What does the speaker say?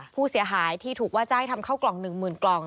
ผู้เสียหายที่ถูกว่าจ้างให้ทำเข้ากล่อง๑๐๐๐กล่อง